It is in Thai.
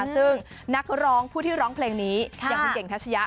ซึ่งนักร้องผู้ที่ร้องเพลงนี้อย่างคุณเก่งทัชยะ